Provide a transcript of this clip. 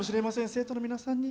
生徒の皆さんに。